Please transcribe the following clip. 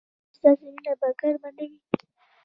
ایا ستاسو مینه به ګرمه نه وي؟